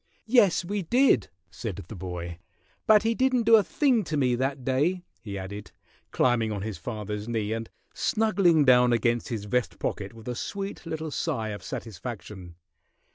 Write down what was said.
"Yes, we did," said the boy. "But he didn't do a thing to me that day," he added, climbing on his father's knee and snuggling down against his vest pocket with a sweet little sigh of satisfaction.